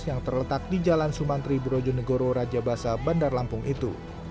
yang terletak di jalan sumantri brojonegoro rajabasa bandar lampung itu